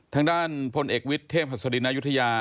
ทางด้านพลเอกวิทย์เทพศริญยุธยา